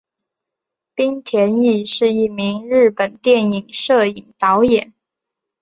滨田毅是一名日本电影摄影导演。